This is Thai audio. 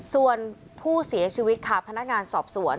ส่วนผู้เสียชีวิตค่ะพนักงานสอบสวน